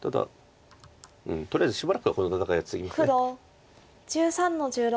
うんとりあえずしばらくはこの戦いが続きます。